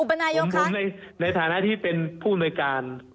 อุปนายโอคาน่ะผมในฐานะที่เป็นผู้โดยการ